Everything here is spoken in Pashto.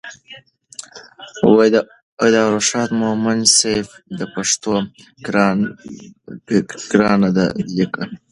د ارواښاد مومند صیب د پښتو ګرانه ده لیک